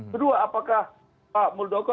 kedua apakah pak muldoko